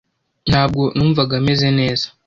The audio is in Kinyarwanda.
Ntabwo numvaga meze neza .